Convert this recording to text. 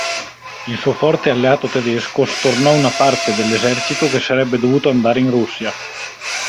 Il suo forte alleato tedesco stornò una parte dell'esercito che sarebbe dovuto andare in Russia.